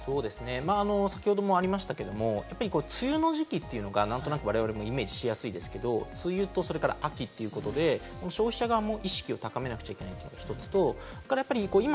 先ほどもありましたけれども、梅雨の時期というのが何となく、我々もイメージしやすいですけれども、梅雨と秋ということで、消費者側も意識を高めなくちゃいけないのが１つと。